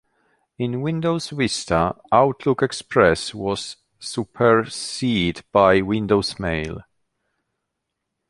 In Windows Vista, Outlook Express was superseded by Windows Mail.